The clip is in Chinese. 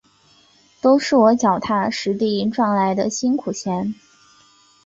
都是我脚踏实地赚来的辛苦钱